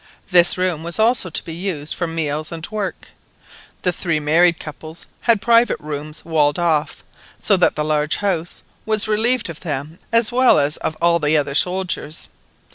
This room was also to be used for meals, and work. The three married couples had private rooms walled off, so that the large house was relieved of them as well as of all the other soldiers.